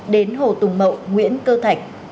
đến hồ tùng mậu nguyễn cơ thạch